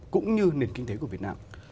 cũng như nền kinh tế của việt nam